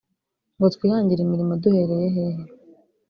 ngo twihangire imirimo duhereye hehe